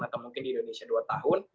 atau mungkin di indonesia dua tahun